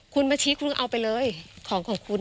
คุณมาชี้คุณเอาไปเลยของของคุณ